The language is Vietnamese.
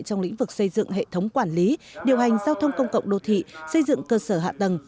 trong lĩnh vực xây dựng hệ thống quản lý điều hành giao thông công cộng đô thị xây dựng cơ sở hạ tầng